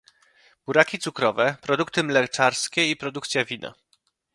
buraki cukrowe, produkty mleczarskie i produkcja wina